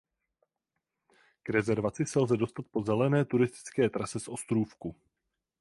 K rezervaci se lze dostat po zelené turistické trase z Ostrůvku.